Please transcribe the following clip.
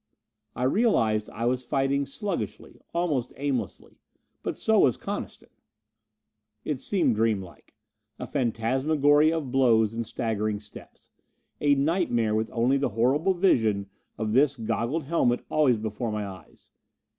I realized I was fighting sluggishly, almost aimlessly. But so was Coniston! It seemed dreamlike. A phantasmagoria of blows and staggering steps. A nightmare with only the horrible vision of this goggled helmet always before my eyes.